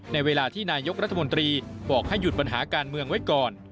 ในเวลาที่นายกรัฐมนตรีบอกให้หยุดปัญหาการเมืองไว้ก่อน